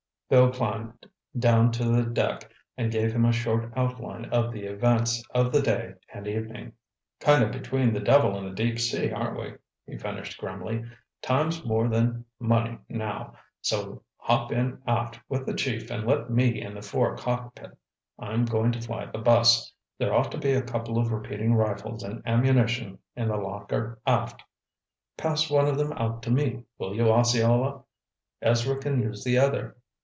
Bill climbed down to the deck and gave him a short outline of the events of the day and evening. "Kind of between the devil and the deep sea, aren't we?" he finished grimly. "Time's more than money now. So hop in aft with the chief, and let me in the fore cockpit. I'm going to fly the bus. There ought to be a couple of repeating rifles and ammunition in the locker aft. Pass one of them out to me, will you, Osceola? Ezra can use the other.